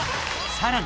さらに。